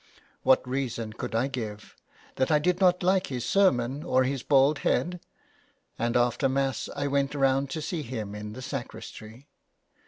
What reason could I give ? that I did not like his sermon or his bald head ? And after Mass I went round to see him in the sacristy.